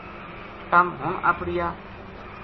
تم ہن اپڑیا